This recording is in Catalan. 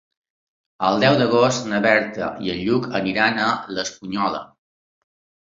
El deu d'agost na Berta i en Lluc aniran a l'Espunyola.